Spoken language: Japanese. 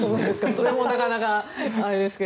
それもなかなかアレですけれど。